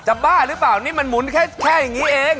บ้าหรือเปล่านี่มันหมุนแค่อย่างนี้เอง